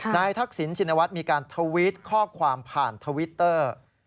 นายทักศิลป์ชินวัตรมีการทวิตข้อความผ่านทวิตเตอร์